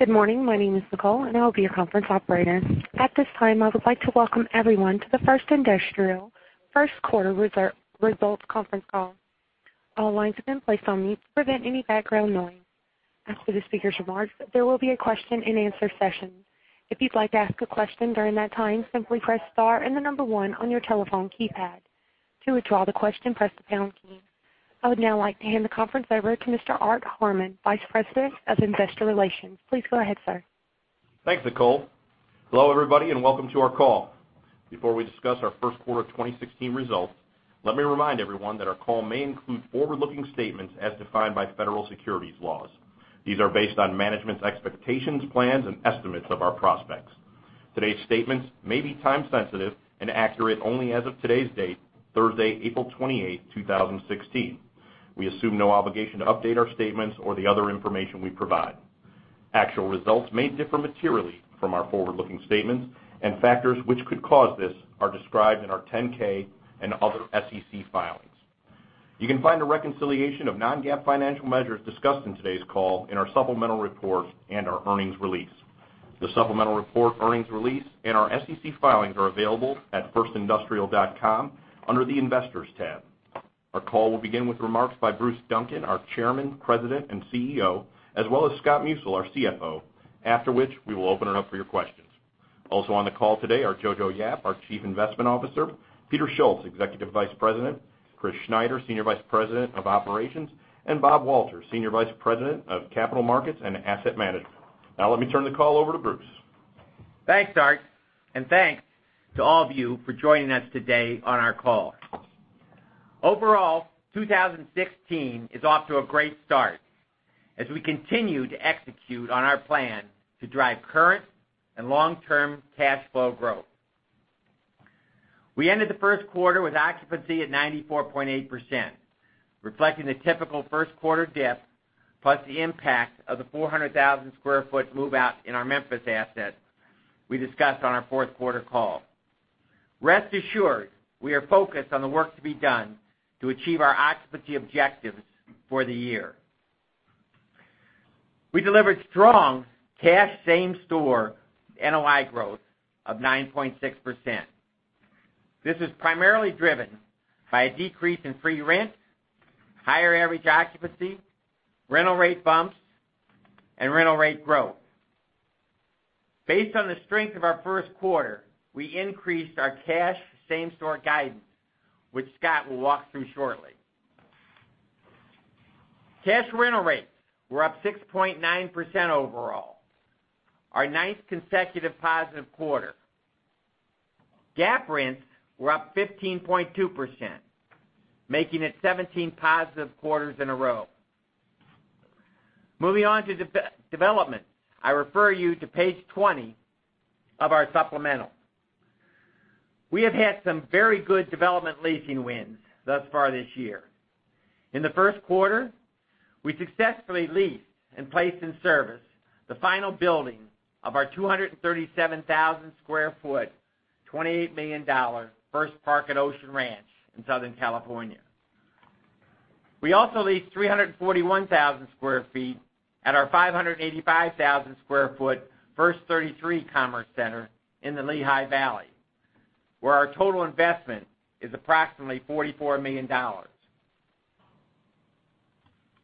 Good morning. My name is Nicole, and I'll be your conference operator. At this time, I would like to welcome everyone to the First Industrial first quarter results conference call. All lines have been placed on mute to prevent any background noise. After the speakers' remarks, there will be a question and answer session. If you'd like to ask a question during that time, simply press star and the number one on your telephone keypad. To withdraw the question, press the pound key. I would now like to hand the conference over to Mr. Arthur Harmon, Vice President of Investor Relations. Please go ahead, sir. Thanks, Nicole. Hello, everybody, and welcome to our call. Before we discuss our first quarter 2016 results, let me remind everyone that our call may include forward-looking statements as defined by federal securities laws. These are based on management's expectations, plans, and estimates of our prospects. Today's statements may be time-sensitive and accurate only as of today's date, Thursday, April 28, 2016. We assume no obligation to update our statements or the other information we provide. Actual results may differ materially from our forward-looking statements and factors which could cause this are described in our 10K and other SEC filings. You can find a reconciliation of non-GAAP financial measures discussed in today's call in our supplemental report and our earnings release. The supplemental report, earnings release, and our SEC filings are available at firstindustrial.com under the Investors tab. Our call will begin with remarks by Bruce Duncan, our Chairman, President, and CEO, as well as Scott Musil, our CFO, after which we will open it up for your questions. Also on the call today are Johannson Yap, our Chief Investment Officer, Peter Schultz, Executive Vice President, Chris Schneider, Senior Vice President of Operations, and Robert Walter, Senior Vice President of Capital Markets and Asset Management. Now let me turn the call over to Bruce. Thanks, Art, and thanks to all of you for joining us today on our call. Overall, 2016 is off to a great start as we continue to execute on our plan to drive current and long-term cash flow growth. We ended the first quarter with occupancy at 94.8%, reflecting the typical first quarter dip, plus the impact of the 400,000 sq ft move-out in our Memphis asset we discussed on our fourth quarter call. Rest assured, we are focused on the work to be done to achieve our occupancy objectives for the year. We delivered strong cash same store NOI growth of 9.6%. This is primarily driven by a decrease in free rent, higher average occupancy, rental rate bumps, and rental rate growth. Based on the strength of our first quarter, we increased our cash same store guidance, which Scott will walk through shortly. Cash rental rates were up 6.9% overall, our ninth consecutive positive quarter. GAAP rents were up 15.2%, making it 17 positive quarters in a row. Moving on to development. I refer you to page 20 of our supplemental. We have had some very good development leasing wins thus far this year. In the first quarter, we successfully leased and placed in service the final building of our 237,000 sq ft, $28 million First Park at Ocean Ranch in Southern California. We also leased 341,000 sq ft at our 585,000 sq ft First 33 Commerce Center in the Lehigh Valley, where our total investment is approximately $44 million.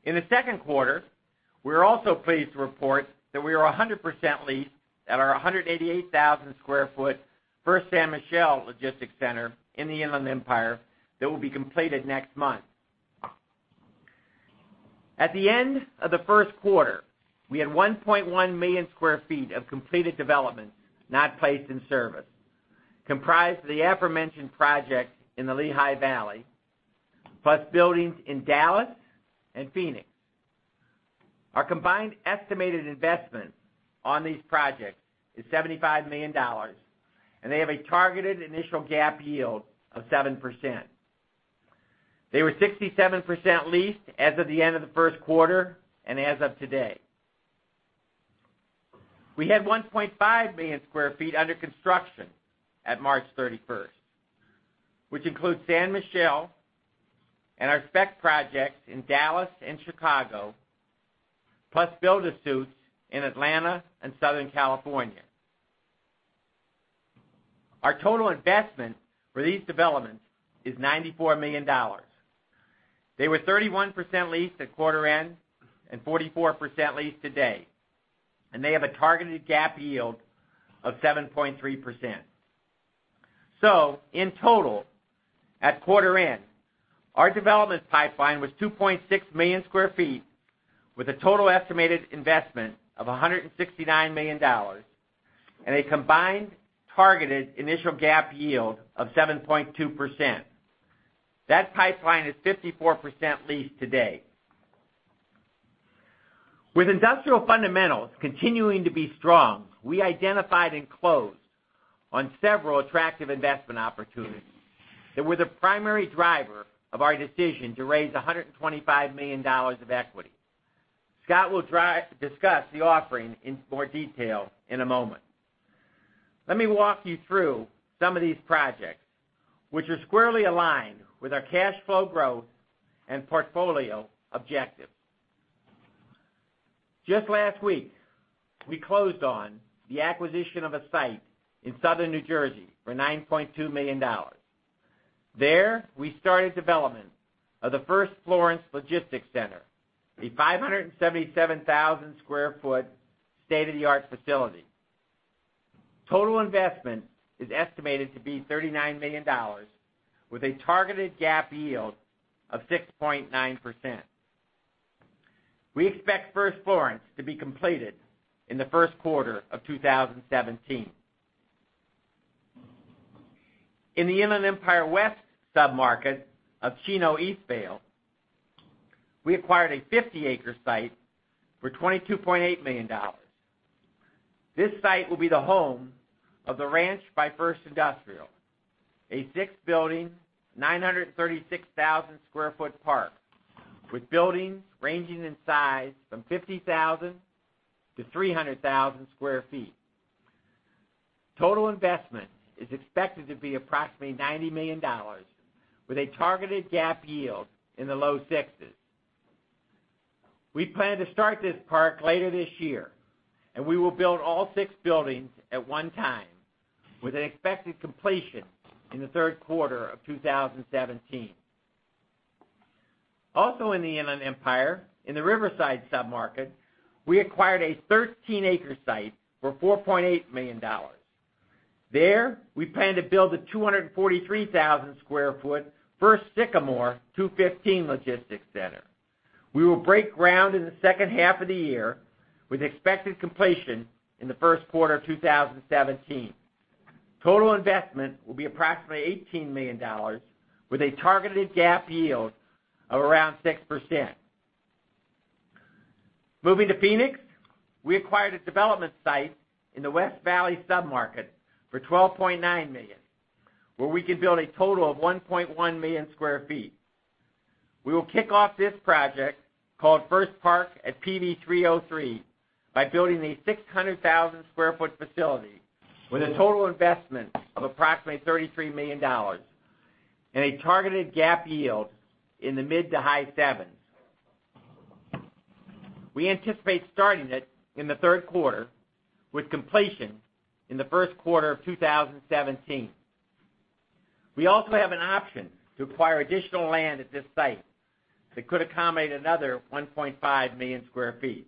In the second quarter, we are also pleased to report that we are 100% leased at our 188,000 sq ft First San Michele Logistics Center in the Inland Empire that will be completed next month. At the end of the first quarter, we had 1.1 million sq ft of completed development not placed in service, comprised of the aforementioned project in the Lehigh Valley, plus buildings in Dallas and Phoenix. Our combined estimated investment on these projects is $75 million, they have a targeted initial GAAP yield of 7%. They were 67% leased as of the end of the first quarter and as of today. We had 1.5 million sq ft under construction at March 31st, which includes San Michele and our spec projects in Dallas and Chicago, plus build-to-suits in Atlanta and Southern California. Our total investment for these developments is $94 million. They were 31% leased at quarter end and 44% leased today, they have a targeted GAAP yield of 7.3%. In total, at quarter end, our development pipeline was 2.6 million sq ft with a total estimated investment of $169 million and a combined targeted initial GAAP yield of 7.2%. That pipeline is 54% leased today. With industrial fundamentals continuing to be strong, we identified and closed on several attractive investment opportunities that were the primary driver of our decision to raise $125 million of equity. Scott will discuss the offering in more detail in a moment. Let me walk you through some of these projects, which are squarely aligned with our cash flow growth and portfolio objectives. Just last week, we closed on the acquisition of a site in Southern New Jersey for $9.2 million. There, we started development of the First Florence Logistics Center, a 577,000 sq ft state-of-the-art facility. Total investment is estimated to be $39 million, with a targeted GAAP yield of 6.9%. We expect First Florence to be completed in the first quarter of 2017. In the Inland Empire West submarket of Chino, Eastvale, we acquired a 50-acre site for $22.8 million. This site will be the home of The Ranch by First Industrial, a six-building, 936,000 sq ft park, with buildings ranging in size from 50,000 to 300,000 sq ft. Total investment is expected to be approximately $90 million, with a targeted GAAP yield in the low sixes. We plan to start this park later this year, we will build all six buildings at one time, with an expected completion in the third quarter of 2017. Also in the Inland Empire, in the Riverside submarket, we acquired a 13-acre site for $4.8 million. There, we plan to build a 243,000 sq ft First Sycamore 215 Logistics Center. We will break ground in the second half of the year, with expected completion in the first quarter of 2017. Total investment will be approximately $18 million, with a targeted GAAP yield of around 6%. Moving to Phoenix, we acquired a development site in the West Valley submarket for $12.9 million, where we can build a total of 1.1 million square feet. We will kick off this project, called First Park at PV303, by building a 600,000 square foot facility with a total investment of approximately $33 million and a targeted GAAP yield in the mid to high sevens. We anticipate starting it in the third quarter, with completion in the first quarter of 2017. We also have an option to acquire additional land at this site that could accommodate another 1.5 million square feet.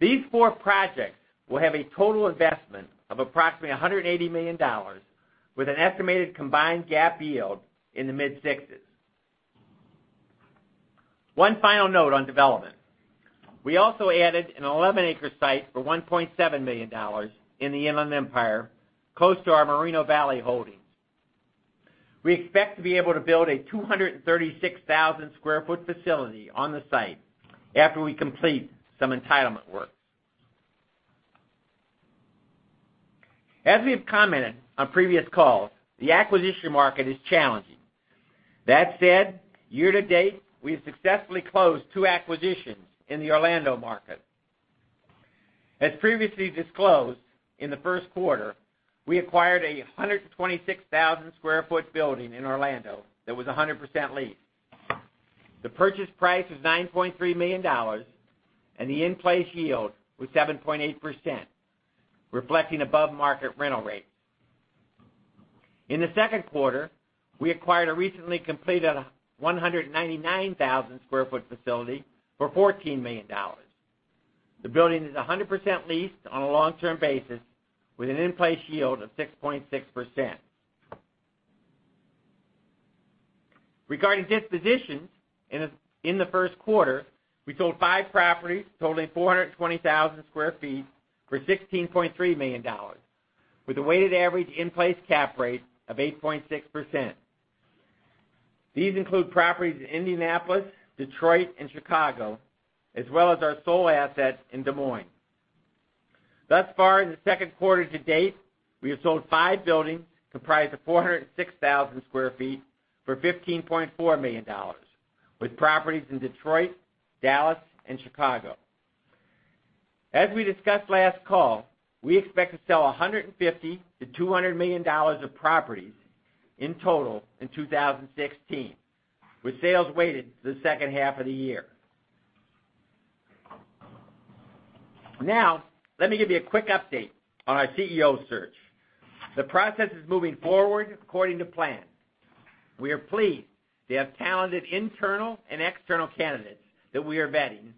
These four projects will have a total investment of approximately $180 million, with an estimated combined GAAP yield in the mid-sixes. One final note on development. We also added an 11-acre site for $1.7 million in the Inland Empire, close to our Moreno Valley holdings. We expect to be able to build a 236,000 square foot facility on the site after we complete some entitlement work. As we have commented on previous calls, the acquisition market is challenging. That said, year to date, we have successfully closed two acquisitions in the Orlando market. As previously disclosed, in the first quarter, we acquired a 126,000 square foot building in Orlando that was 100% leased. The purchase price was $9.3 million, and the in-place yield was 7.8%, reflecting above-market rental rates. In the second quarter, we acquired a recently completed 199,000 square foot facility for $14 million. The building is 100% leased on a long-term basis, with an in-place yield of 6.6%. Regarding dispositions, in the first quarter, we sold five properties totaling 420,000 square feet for $16.3 million, with a weighted average in-place cap rate of 8.6%. These include properties in Indianapolis, Detroit, and Chicago, as well as our sole asset in Des Moines. Thus far in the second quarter to date, we have sold five buildings comprised of 406,000 square feet for $15.4 million, with properties in Detroit, Dallas, and Chicago. As we discussed last call, we expect to sell $150 million-$200 million of properties in total in 2016, with sales weighted to the second half of the year. Now, let me give you a quick update on our CEO search. The process is moving forward according to plan. We are pleased to have talented internal and external candidates that we are vetting,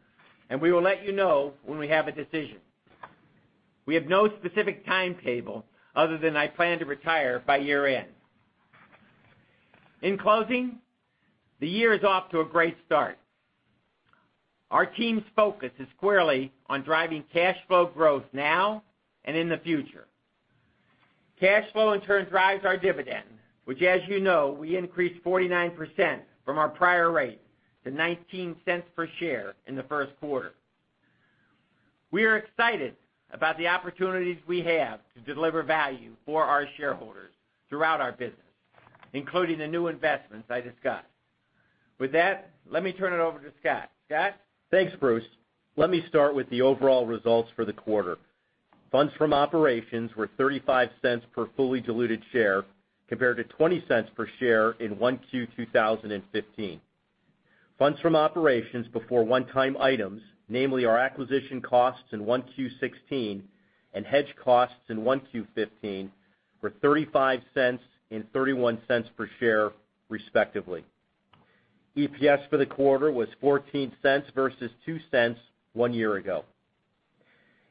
we will let you know when we have a decision. We have no specific timetable other than I plan to retire by year-end. In closing, the year is off to a great start. Our team's focus is squarely on driving cash flow growth now and in the future. Cash flow in turn drives our dividend, which as you know, we increased 49% from our prior rate to $0.19 per share in the first quarter. We are excited about the opportunities we have to deliver value for our shareholders throughout our business, including the new investments I discussed. With that, let me turn it over to Scott. Scott? Thanks, Bruce. Let me start with the overall results for the quarter. Funds from operations were $0.35 per fully diluted share, compared to $0.20 per share in 1Q 2015. Funds from operations before one-time items, namely our acquisition costs in 1Q16 and hedge costs in 1Q15, were $0.35 and $0.31 per share, respectively. EPS for the quarter was $0.14 versus $0.02 one year ago.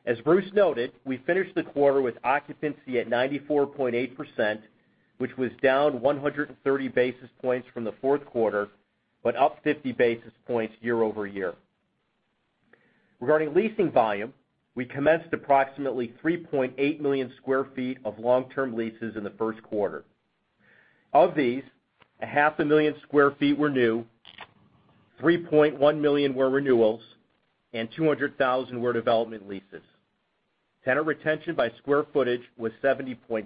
As Bruce noted, we finished the quarter with occupancy at 94.8%, which was down 130 basis points from the fourth quarter, but up 50 basis points year-over-year. Regarding leasing volume, we commenced approximately 3.8 million square feet of long-term leases in the first quarter. Of these, a half a million square feet were new, 3.1 million were renewals, and 200,000 were development leases. Tenant retention by square footage was 70.6%.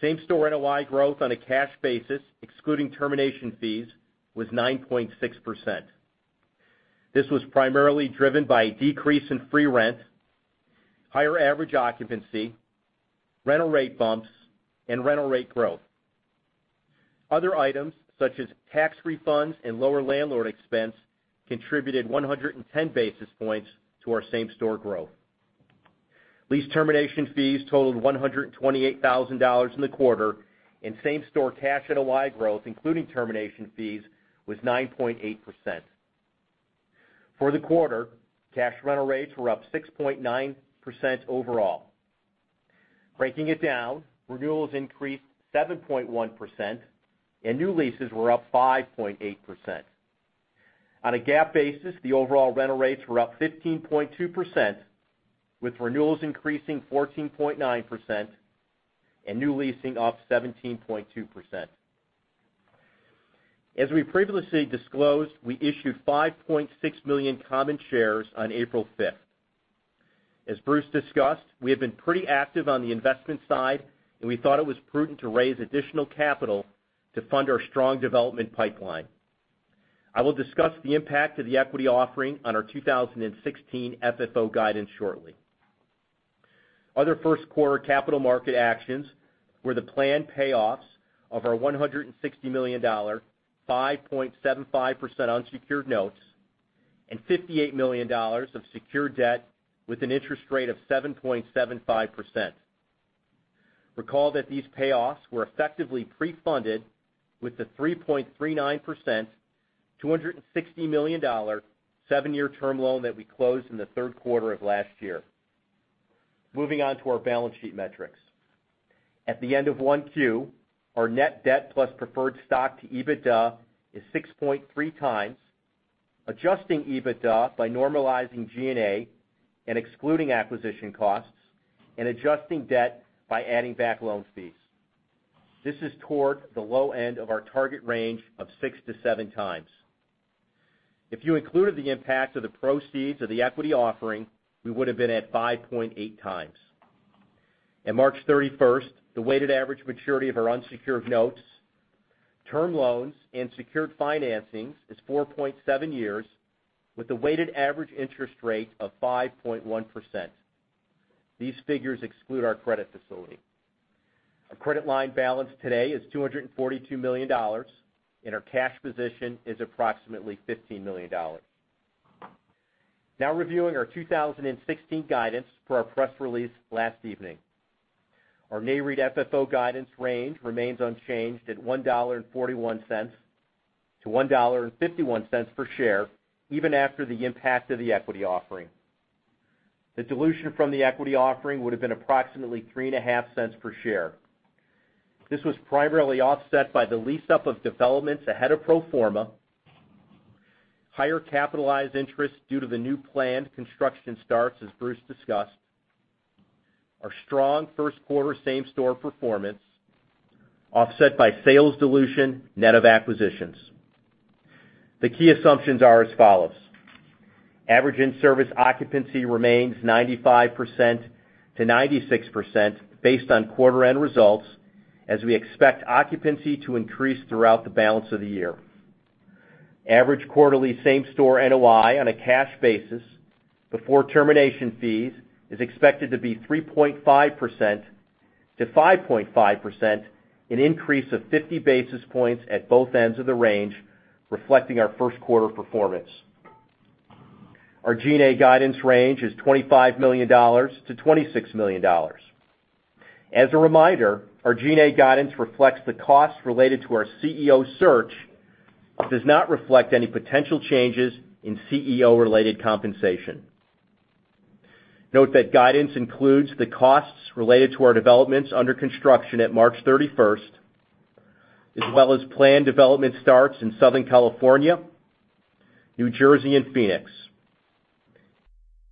Same-store NOI growth on a cash basis, excluding termination fees, was 9.6%. This was primarily driven by a decrease in free rent, higher average occupancy, rental rate bumps, and rental rate growth. Other items, such as tax refunds and lower landlord expense, contributed 110 basis points to our same-store growth. Lease termination fees totaled $128,000 in the quarter, and same-store cash NOI growth, including termination fees, was 9.8%. For the quarter, cash rental rates were up 6.9% overall. Breaking it down, renewals increased 7.1%, and new leases were up 5.8%. On a GAAP basis, the overall rental rates were up 15.2%, with renewals increasing 14.9% and new leasing up 17.2%. As we previously disclosed, we issued 5.6 million common shares on April 5th. As Bruce discussed, we have been pretty active on the investment side. We thought it was prudent to raise additional capital to fund our strong development pipeline. I will discuss the impact of the equity offering on our 2016 FFO guidance shortly. Other first-quarter capital market actions were the planned payoffs of our $160 million, 5.75% unsecured notes and $58 million of secured debt with an interest rate of 7.75%. Recall that these payoffs were effectively pre-funded with the 3.39%, $260 million, seven-year term loan that we closed in the third quarter of last year. Moving on to our balance sheet metrics. At the end of 1Q, our net debt plus preferred stock to EBITDA is 6.3 times, adjusting EBITDA by normalizing G&A and excluding acquisition costs and adjusting debt by adding back loan fees. This is toward the low end of our target range of 6 to 7 times. If you included the impact of the proceeds of the equity offering, we would've been at 5.8 times. At March 31st, the weighted average maturity of our unsecured notes, term loans, and secured financings is 4.7 years, with a weighted average interest rate of 5.1%. These figures exclude our credit facility. Our credit line balance today is $242 million, and our cash position is approximately $15 million. Reviewing our 2016 guidance for our press release last evening. Our NAREIT FFO guidance range remains unchanged at $1.41 to $1.51 per share, even after the impact of the equity offering. The dilution from the equity offering would've been approximately $0.035 per share. This was primarily offset by the lease-up of developments ahead of pro forma, higher capitalized interest due to the new planned construction starts, as Bruce discussed, our strong first-quarter same-store performance offset by sales dilution net of acquisitions. The key assumptions are as follows. Average in-service occupancy remains 95%-96% based on quarter-end results, as we expect occupancy to increase throughout the balance of the year. Average quarterly same-store NOI on a cash basis before termination fees is expected to be 3.5%-5.5%, an increase of 50 basis points at both ends of the range, reflecting our first-quarter performance. Our G&A guidance range is $25 million-$26 million. As a reminder, our G&A guidance reflects the costs related to our CEO search. It does not reflect any potential changes in CEO-related compensation. Note that guidance includes the costs related to our developments under construction at March 31st, as well as planned development starts in Southern California, New Jersey, and Phoenix.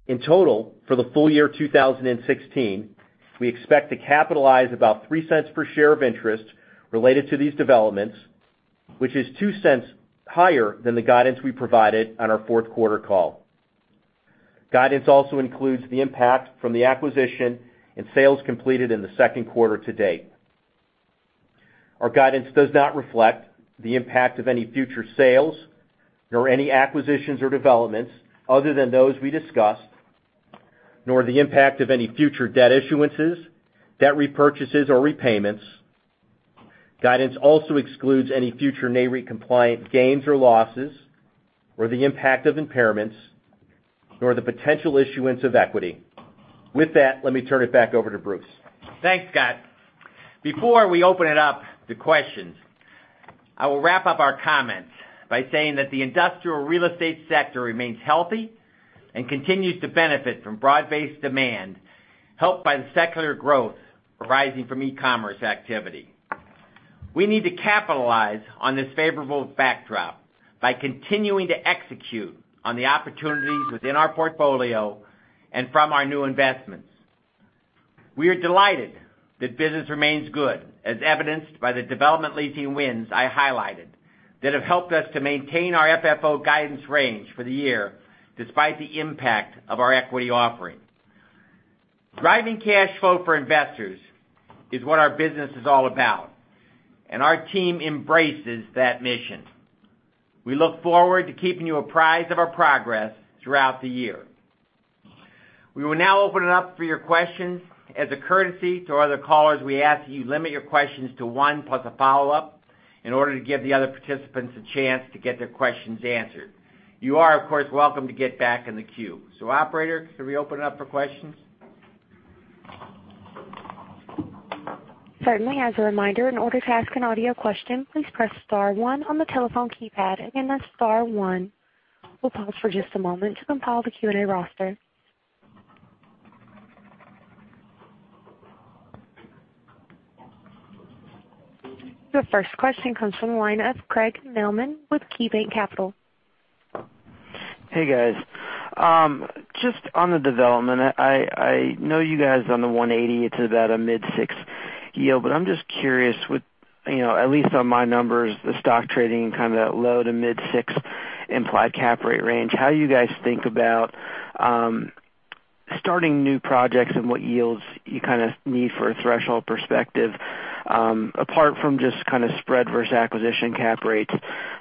In total, for the full year 2016, we expect to capitalize about $0.03 per share of interest related to these developments, which is $0.02 higher than the guidance we provided on our fourth-quarter call. Guidance also includes the impact from the acquisition and sales completed in the second quarter to date. Our guidance does not reflect the impact of any future sales, nor any acquisitions or developments other than those we discussed, nor the impact of any future debt issuances, debt repurchases, or repayments. Guidance also excludes any future NAREIT compliant gains or losses, or the impact of impairments, nor the potential issuance of equity. With that, let me turn it back over to Bruce. Thanks, Scott. Before we open it up to questions, I will wrap up our comments by saying that the industrial real estate sector remains healthy and continues to benefit from broad-based demand, helped by the secular growth arising from e-commerce activity. We need to capitalize on this favorable backdrop by continuing to execute on the opportunities within our portfolio and from our new investments. We are delighted that business remains good, as evidenced by the development leasing wins I highlighted that have helped us to maintain our FFO guidance range for the year, despite the impact of our equity offering. Driving cash flow for investors is what our business is all about, and our team embraces that mission. We look forward to keeping you apprised of our progress throughout the year. We will now open it up for your questions. As a courtesy to other callers, we ask that you limit your questions to one plus a follow-up in order to give the other participants a chance to get their questions answered. You are, of course, welcome to get back in the queue. Operator, can we open it up for questions? Certainly. As a reminder, in order to ask an audio question, please press star one on the telephone keypad. Again, that's star one. We'll pause for just a moment to compile the Q&A roster. The first question comes from the line of Craig Mailman with KeyBanc Capital. Hey, guys. Just on the development, I know you guys are on the 180. It's about a mid-six yield. I'm just curious with, at least on my numbers, the stock trading kind of that low- to mid-six implied cap rate range, how you guys think about starting new projects and what yields you need from a threshold perspective, apart from just spread versus acquisition cap rates,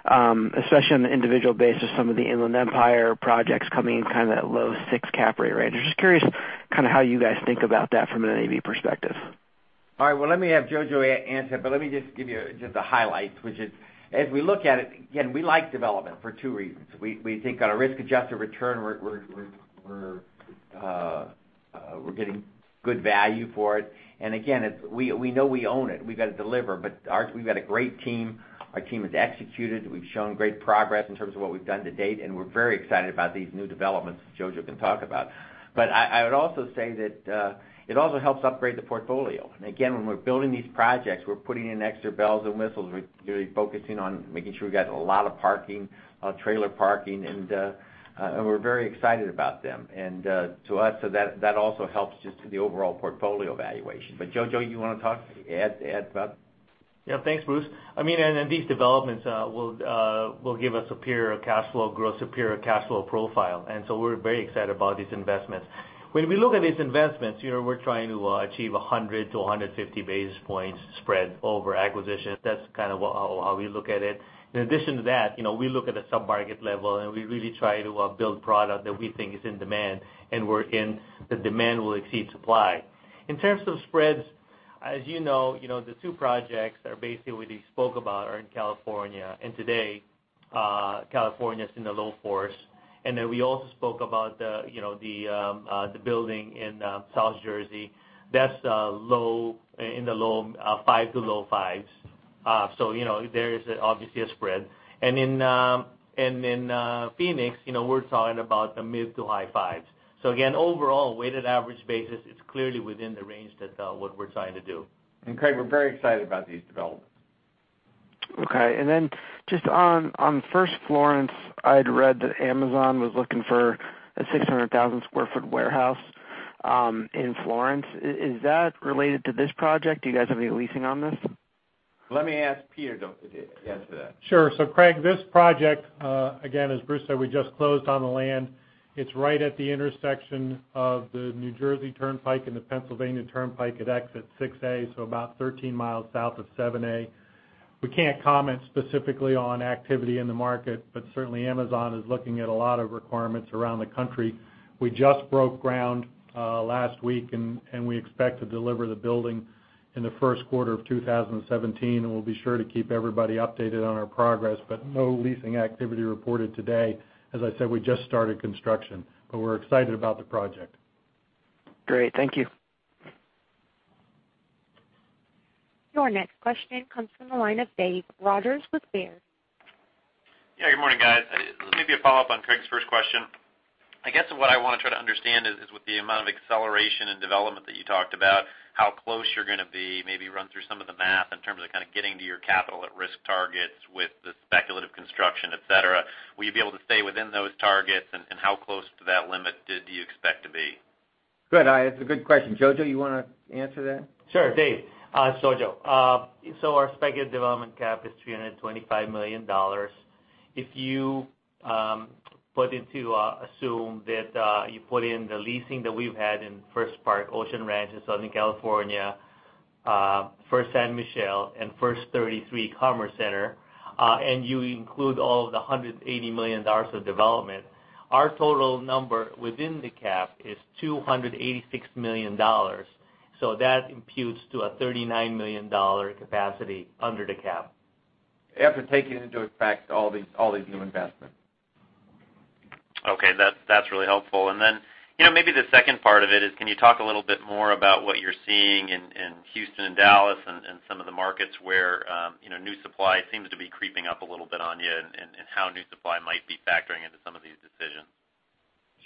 especially on the individual basis, some of the Inland Empire projects coming in kind of that low-six cap rate range. I'm just curious how you guys think about that from an NAV perspective. All right. Well, let me have Jojo answer, but let me just give you just the highlights, which is, as we look at it, again, we like development for two reasons. We think on a risk-adjusted return, we're getting good value for it. Again, we know we own it. We've got to deliver. We've got a great team. Our team has executed. We've shown great progress in terms of what we've done to date, we're very excited about these new developments, as Jojo can talk about. I would also say that it also helps upgrade the portfolio. Again, when we're building these projects, we're putting in extra bells and whistles. We're really focusing on making sure we've got a lot of trailer parking, we're very excited about them. To us, that also helps just the overall portfolio valuation. Jojo, you want to talk, add about? Yeah. Thanks, Bruce. These developments will give us superior cash flow growth, superior cash flow profile. We're very excited about these investments. When we look at these investments, we're trying to achieve 100 to 150 basis points spread over acquisition. That's kind of how we look at it. In addition to that, we look at a sub-market level, and we really try to build product that we think is in demand and wherein the demand will exceed supply. In terms of spreads, as you know, the two projects that are basically we spoke about are in California. Today, California's in the low fours. Then we also spoke about the building in South Jersey. That's in the low fives to low fives. There is obviously a spread. In Phoenix, we're talking about the mid to high fives. Again, overall, weighted average basis, it's clearly within the range that what we're trying to do. Craig, we're very excited about these developments. Okay. Then just on First Florence, I'd read that Amazon was looking for a 600,000 square foot warehouse in Florence. Is that related to this project? Do you guys have any leasing on this? Let me ask Peter to answer that. Sure. Craig, this project, again, as Bruce said, we just closed on the land. It's right at the intersection of the New Jersey Turnpike and the Pennsylvania Turnpike at Exit 6A, so about 13 miles south of 7A. We can't comment specifically on activity in the market, but certainly Amazon is looking at a lot of requirements around the country. We just broke ground last week, and we expect to deliver the building in the first quarter of 2017. We'll be sure to keep everybody updated on our progress, but no leasing activity reported today. As I said, we just started construction, but we're excited about the project. Great. Thank you. Your next question comes from the line of Dave Rogers with Baird. Yeah, good morning, guys. Maybe a follow-up on Craig's first question. I guess what I want to try to understand is with the amount of acceleration and development that you talked about, how close you're going to be, maybe run through some of the math in terms of kind of getting to your capital at-risk targets with the speculative construction, et cetera. Will you be able to stay within those targets, and how close to that limit did you? Good. It's a good question. Jojo, you want to answer that? Sure, Dave. It's Jojo. Our specified development cap is $325 million. If you put into assume that you put in the leasing that we've had in First Park, Ocean Ranch in Southern California, First San Michele, and First 33 Commerce Center, and you include all of the $180 million of development, our total number within the cap is $286 million. That imputes to a $39 million capacity under the cap. After taking into effect all these new investments. Okay. That's really helpful. Then maybe the second part of it is, can you talk a little bit more about what you're seeing in Houston and Dallas and some of the markets where new supply seems to be creeping up a little bit on you and how new supply might be factoring into some of these decisions?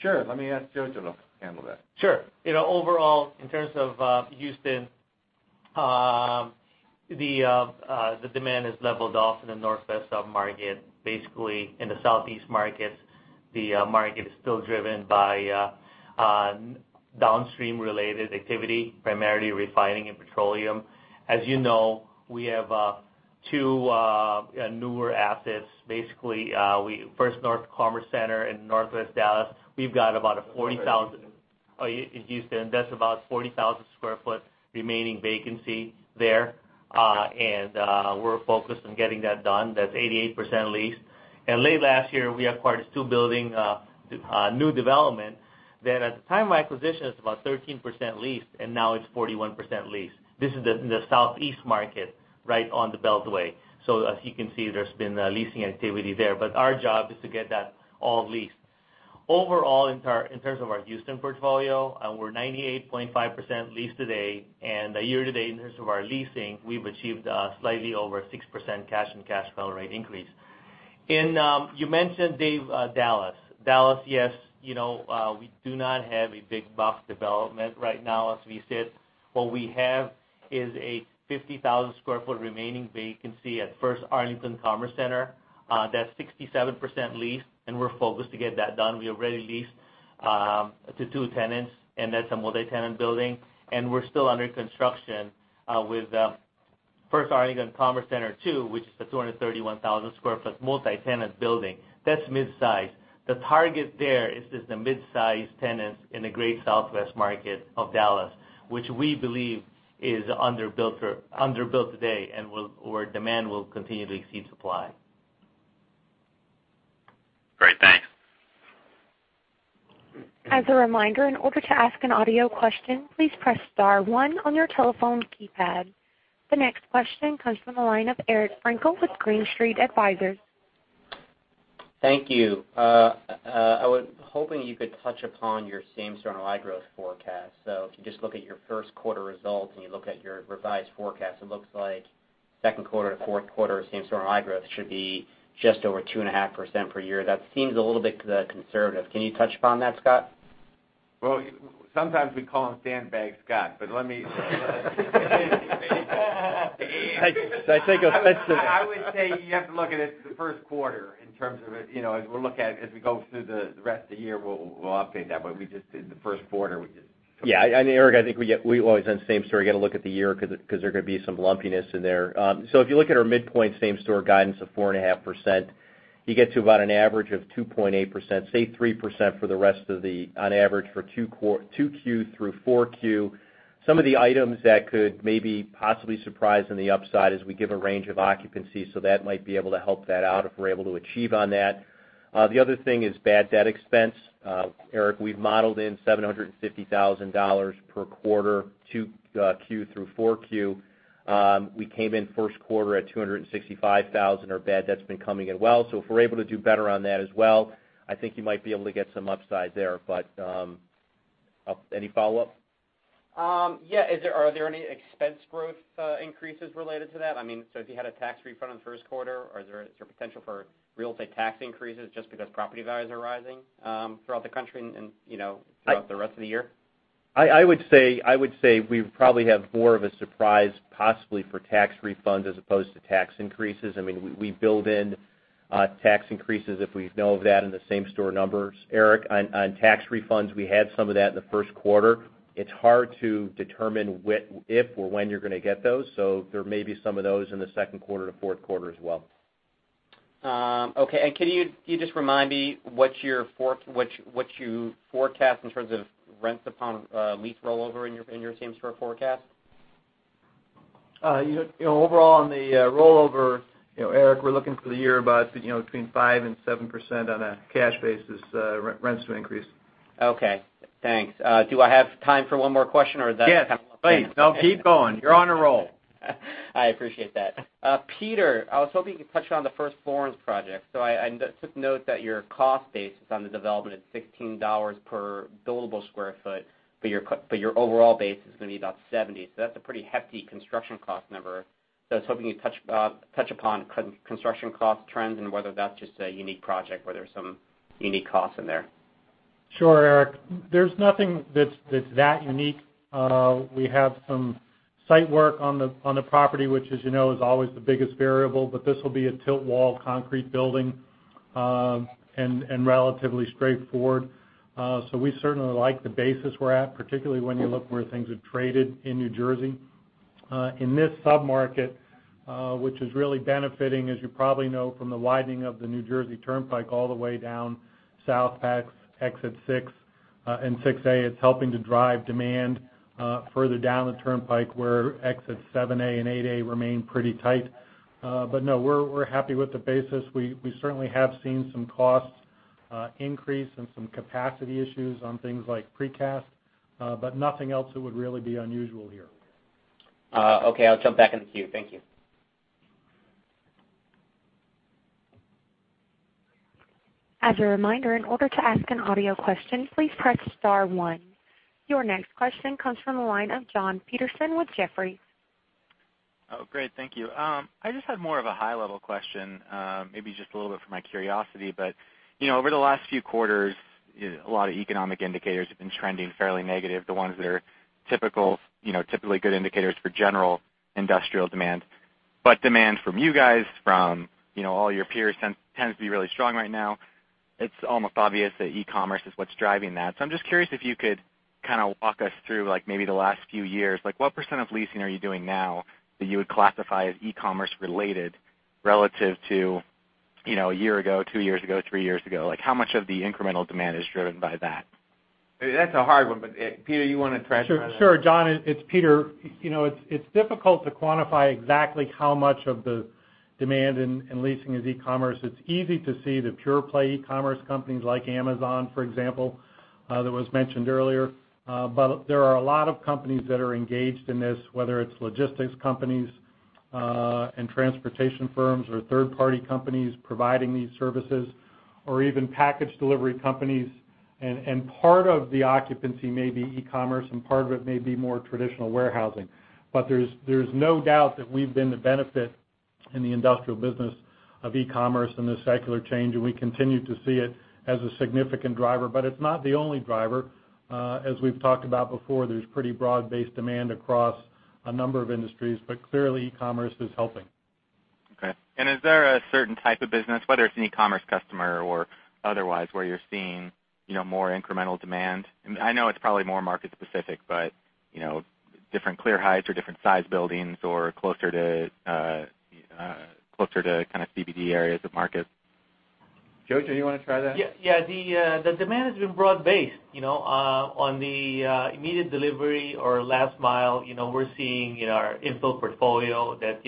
Sure. Let me ask Jojo to handle that. Sure. Overall, in terms of Houston, the demand has leveled off in the Northwest sub-market. Basically, in the Southeast market, the market is still driven by downstream-related activity, primarily refining and petroleum. As you know, we have two newer assets. Basically, First North Commerce Center in Northwest Dallas. We've got about 40,000 square foot remaining vacancy there. We're focused on getting that done. That's 88% leased. Late last year, we acquired a two-building, new development, that at the time of acquisition, it's about 13% leased, and now it's 41% leased. This is in the Southeast market, right on the Beltway. As you can see, there's been leasing activity there. Our job is to get that all leased. Year-to-date, in terms of our leasing, we've achieved slightly over 6% cash and cash flow rate increase. You mentioned, Dave, Dallas. Dallas, yes, we do not have a big box development right now as we sit. What we have is a 50,000 square foot remaining vacancy at First Arlington Commerce Center. That's 67% leased, and we're focused to get that done. We already leased to two tenants, and that's a multi-tenant building, and we're still under construction with First Arlington Commerce Center II, which is a 231,000 square foot multi-tenant building. That's mid-size. The target there is just the mid-size tenants in the great Southwest market of Dallas, which we believe is under-built today and where demand will continue to exceed supply. Great. Thanks. As a reminder, in order to ask an audio question, please press star one on your telephone keypad. The next question comes from the line of Eric Frankel with Green Street Advisors. Thank you. I was hoping you could touch upon your same-store NOI growth forecast. If you just look at your first quarter results and you look at your revised forecast, it looks like second quarter to fourth quarter same-store NOI growth should be just over 2.5% per year. That seems a little bit conservative. Can you touch upon that, Scott? Well, sometimes we call him Scott Musil. I take offense to that. I would say you have to look at it for the first quarter in terms of as we go through the rest of the year, we'll update that. We just did the first quarter. Yeah. Eric, I think we always on same store, got to look at the year because there are going to be some lumpiness in there. If you look at our midpoint same-store guidance of 4.5%, you get to about an average of 2.8%, say 3% for the rest of the, on average for 2Q through 4Q. Some of the items that could maybe possibly surprise on the upside is we give a range of occupancy, so that might be able to help that out if we're able to achieve on that. The other thing is bad debt expense. Eric, we've modeled in $750,000 per quarter, 2Q through 4Q. We came in first quarter at $265,000. Our bad debt's been coming in well. If we're able to do better on that as well, I think you might be able to get some upside there. Any follow-up? Yeah. Are there any expense growth increases related to that? If you had a tax refund in the first quarter, is there potential for real estate tax increases just because property values are rising throughout the country and throughout the rest of the year? I would say we probably have more of a surprise possibly for tax refunds as opposed to tax increases. We build in tax increases if we know of that in the same store numbers. Eric, on tax refunds, we had some of that in the first quarter. It's hard to determine if or when you're going to get those. There may be some of those in the second quarter to fourth quarter as well. Okay. Can you just remind me what you forecast in terms of rents upon lease rollover in your same-store forecast? Overall, on the rollover, Eric, we're looking for the year about between 5% and 7% on a cash basis rents to increase. Okay. Thanks. Do I have time for one more question, or is that- Yes, please. No, keep going. You're on a roll. I appreciate that. Peter, I was hoping you could touch on the First Florence project. I took note that your cost basis on the development is $16 per billable sq ft, but your overall base is going to be about $70. That's a pretty hefty construction cost number. I was hoping you'd touch upon construction cost trends and whether that's just a unique project where there's some unique costs in there. Sure, Eric. There's nothing that's that unique. We have some site work on the property, which as you know, is always the biggest variable. This will be a tilt wall concrete building. Relatively straightforward. We certainly like the basis we're at, particularly when you look where things have traded in New Jersey. In this sub-market, which is really benefiting, as you probably know, from the widening of the New Jersey Turnpike all the way down South Exit 6 and 6A. It's helping to drive demand further down the Turnpike, where exits 7A and 8A remain pretty tight. No, we're happy with the basis. We certainly have seen some costs increase and some capacity issues on things like precast, but nothing else that would really be unusual here. Okay. I'll jump back in the queue. Thank you. As a reminder, in order to ask an audio question, please press star one. Your next question comes from the line of Jon Peterson with Jefferies. Great. Thank you. I just had more of a high-level question, maybe just a little bit for my curiosity. Over the last few quarters, a lot of economic indicators have been trending fairly negative, the ones that are typically good indicators for general industrial demand. Demand from you guys, from all your peers tends to be really strong right now. It's almost obvious that e-commerce is what's driving that. I'm just curious if you could kind of walk us through maybe the last few years. What % of leasing are you doing now that you would classify as e-commerce related relative to a year ago, two years ago, three years ago? How much of the incremental demand is driven by that? That's a hard one. Peter, you want to try to answer that? Sure, Jon, it's Peter. It's difficult to quantify exactly how much of the demand in leasing is e-commerce. It's easy to see the pure play e-commerce companies like Amazon, for example, that was mentioned earlier. There are a lot of companies that are engaged in this, whether it's logistics companies and transportation firms or third-party companies providing these services or even package delivery companies. Part of the occupancy may be e-commerce and part of it may be more traditional warehousing. There's no doubt that we've been the benefit in the industrial business of e-commerce and the secular change, and we continue to see it as a significant driver. It's not the only driver. As we've talked about before, there's pretty broad-based demand across a number of industries. Clearly, e-commerce is helping. Okay. Is there a certain type of business, whether it's an e-commerce customer or otherwise, where you're seeing more incremental demand? I know it's probably more market specific, but different clear heights or different size buildings or closer to kind of CBD areas of markets. Jojo, you want to try that? Yeah. The demand has been broad-based. On the immediate delivery or last mile, we're seeing in our in-fill portfolio that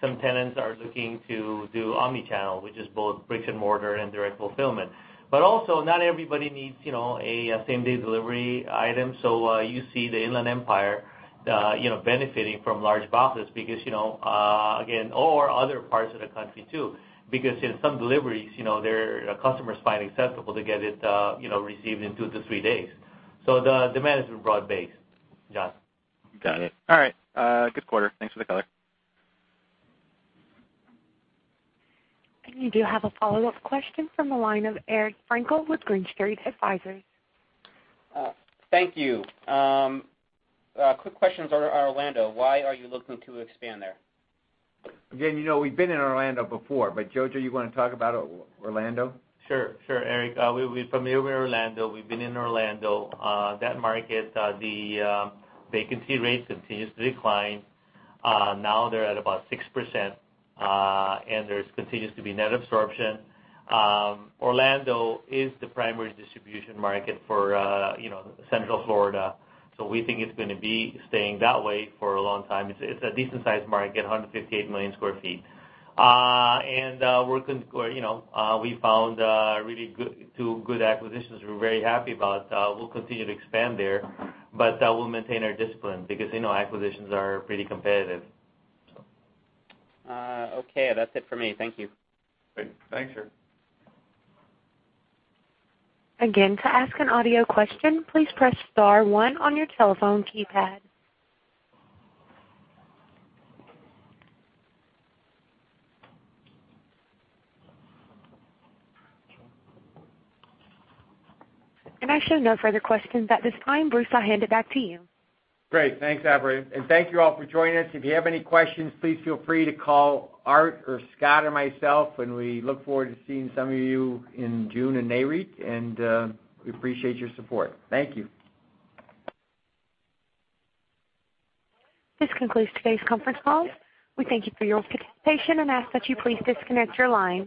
some tenants are looking to do omni-channel, which is both bricks and mortar and direct fulfillment. Also, not everybody needs a same-day delivery item. You see the Inland Empire benefiting from large boxes or other parts of the country too, because in some deliveries, their customers find acceptable to get it received in two to three days. The demand has been broad based, Jon. Got it. All right. Good quarter. Thanks for the color. You do have a follow-up question from the line of Eric Frankel with Green Street Advisors. Thank you. Quick question on Orlando. Why are you looking to expand there? Again, we've been in Orlando before. Jojo, you want to talk about Orlando? Sure. Eric, we're familiar with Orlando. We've been in Orlando. That market, the vacancy rate continues to decline. Now they're at about 6%, and there continues to be net absorption. Orlando is the primary distribution market for Central Florida. We think it's going to be staying that way for a long time. It's a decent sized market, 158 million sq ft. We found two good acquisitions we're very happy about. We'll continue to expand there. We'll maintain our discipline because acquisitions are pretty competitive. Okay. That's it for me. Thank you. Great. Thanks, Eric. To ask an audio question, please press star one on your telephone keypad. I show no further questions at this time. Bruce, I'll hand it back to you. Great. Thanks, Avery, and thank you all for joining us. If you have any questions, please feel free to call Art or Scott or myself, and we look forward to seeing some of you in June at NAREIT, and we appreciate your support. Thank you. This concludes today's conference call. We thank you for your participation and ask that you please disconnect your line.